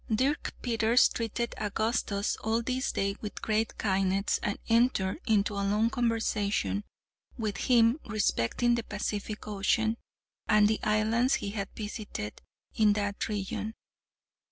Dirk Peters treated Augustus all this day with great kindness and entered into a long conversation with him respecting the Pacific Ocean, and the islands he had visited in that region.